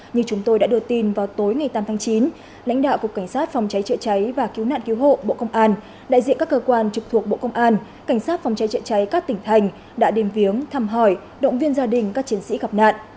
như chúng tôi đã đưa tin vào tối ngày tám tháng chín lãnh đạo cục cảnh sát phòng cháy chữa cháy và cứu nạn cứu hộ bộ công an đại diện các cơ quan trực thuộc bộ công an cảnh sát phòng cháy chữa cháy các tỉnh thành đã đến viếng thăm hỏi động viên gia đình các chiến sĩ gặp nạn